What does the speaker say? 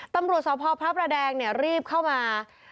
ตำรวจสพพระประแดงรีบเข้ามา